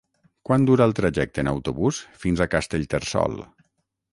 Quant dura el trajecte en autobús fins a Castellterçol?